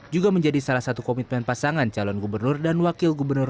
juga menjadi salah satu komitmen pasangan calon gubernur dan wakil gubernur